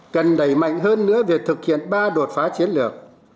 cần đẩy mạnh hơn nữa việc thực hiện ba đột phá chiến lược